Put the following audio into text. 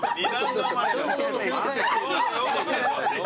どうもどうもすいません。